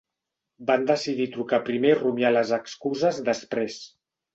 Van decidir trucar primer i rumiar les excuses després.